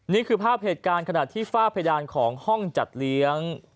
นี่คือภาพเหตุการณ์ขณะที่ฝ้าเพดานของห้องจัดเลี้ยง